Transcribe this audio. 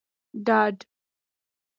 ډاډ